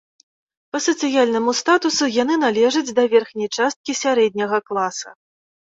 Па сацыяльнаму статусу яны належаць да верхняй часткі сярэдняга класа.